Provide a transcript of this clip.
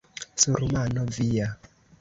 Sur mano via!